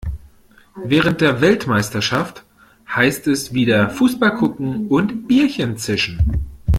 Während der Weltmeisterschaft heißt es wieder Fußball gucken und Bierchen zischen.